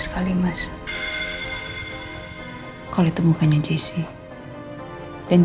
terima kasih banyak para including